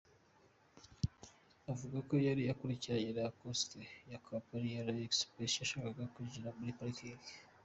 Avuga ko yari akurikiranye na Coaster ya Companyi Royal Express yashakaga kwinjira muri parikingi.